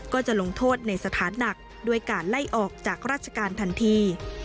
ก็จะลงโทษในสถานหนักด้วยการไล่ออกจากราชการทันที